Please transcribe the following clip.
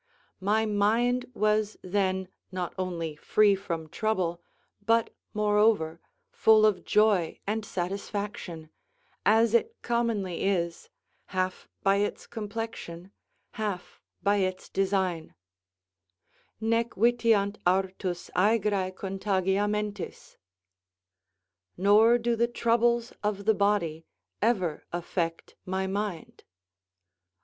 My mind was then not only free from trouble, but, moreover, full of joy and satisfaction, as it commonly is, half by its complexion, half by its design: "Nec vitiant artus aegrae contagia mentis." ["Nor do the troubles of the body ever affect my mind."